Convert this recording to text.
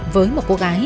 với một cô gái